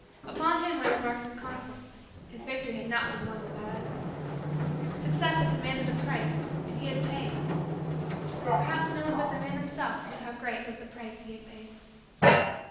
Upon him were the marks of the conflict. His victory had not been won without effort. Success had demanded a price and he had paid. Perhaps no one but the man himself knew how great was the price he had paid.